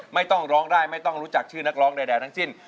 ไม่ต้องร้องได้ไม่ต้องรู้จักชื่อนักร้องใดทั้งสิ้น